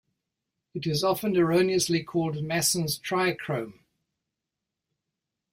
It is often erroneously called Masson's trichrome.